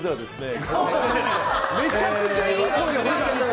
めちゃくちゃいい声！